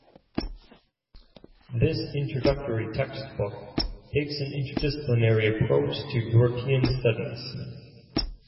This introductory textbook takes an interdisciplinary approach to European studies.